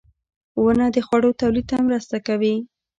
• ونه د خوړو تولید ته مرسته کوي.